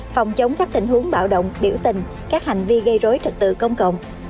phòng chống các tình huống bạo động biểu tình các hành vi gây rối trật tự công cộng